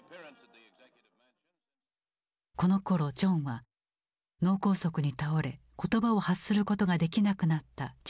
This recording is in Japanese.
このころジョンは脳梗塞に倒れ言葉を発することができなくなった父